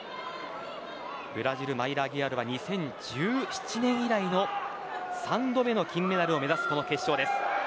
ブラジル、マイラ・アギアールは２０１７年以来の３度目の金メダルを目指す決勝です。